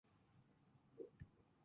う ｍ ぬ ｊｎ